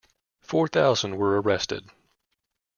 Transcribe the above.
Four thousand were arrested.